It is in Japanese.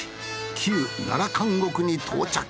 旧奈良監獄に到着。